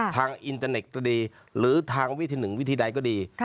อินเตอร์เน็ตก็ดีหรือทางวิธีหนึ่งวิธีใดก็ดี